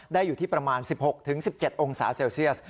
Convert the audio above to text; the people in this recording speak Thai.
อยู่ที่ประมาณ๑๖๑๗องศาเซลเซียส